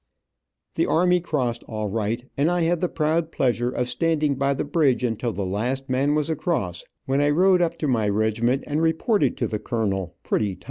The army crossed all right, and I had the proud pleasure of standing by the bridge until the last man was across, when I rode up to my regiment and reported to the colonel, pretty tired.